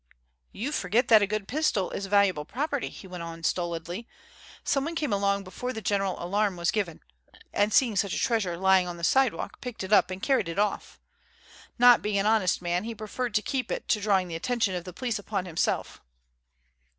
"You forget that a good pistol is valuable property," he went on stolidly. "Someone came along before the general alarm was given; and seeing such a treasure lying on the sidewalk, picked it up and carried it off. Not being an honest man, he preferred to keep it to drawing the attention of the police upon himself."